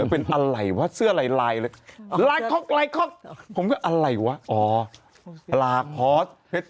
เป็นชั่วโมมง่าักโอเค